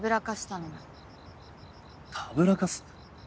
たぶらかす？